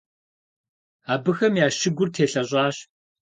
Абыхэми я щыгур телъэщӀащ.